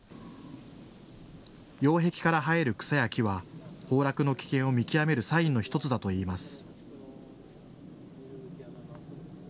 擁壁から生える草や木は崩落の危険を見極めるサインの１つだといいます。